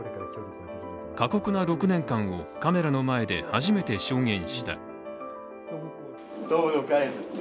過酷な６年間をカメラの前で初めて証言した。